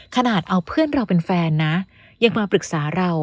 ขนาดเอาเพื่อนเราเป็นแฟนนะยังมาปรึกษาเรา